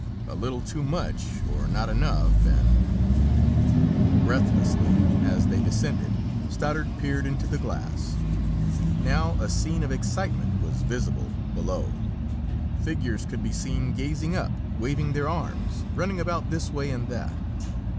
A little too much, or not enough, and " Breathlessly, as they descended, Stoddard peered into the glass. Now a scene of excitement was visible below. Figures could be seen gazing up, waving their arms, running about this way and that.